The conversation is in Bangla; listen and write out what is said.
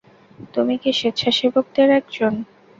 তুমি কি স্বেচ্ছাসেবকদের একজন?